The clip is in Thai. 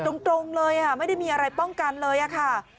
ตรงเลยไม่ได้มีอะไรป้องกันเลยค่ะ